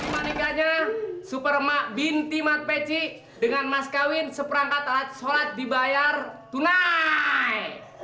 manikahnya super emak binti mat peci dengan mas kawin seperangkat alat sholat dibayar tunai